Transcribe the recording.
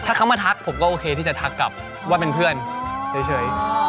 ถ้าเขามาทักผมก็โอเคที่จะทักกลับว่าเป็นเพื่อนเฉย